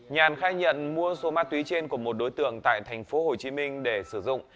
nhàn khai nhận mua số ma túy trên của một đối tượng tại tp hcm để sử dụng